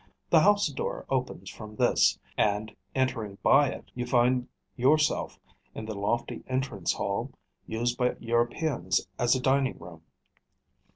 The house door opens from this; and entering by it, you find yourself in the lofty entrance hall, used by Europeans as a dining room.